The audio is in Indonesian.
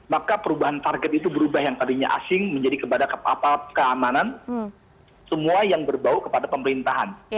maka perubahan target itu berubah yang tadinya asing menjadi kepada keamanan semua yang berbau kepada pemerintahan